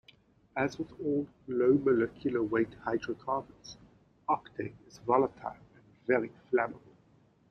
As with all low-molecular-weight hydrocarbons, octane is volatile and very flammable.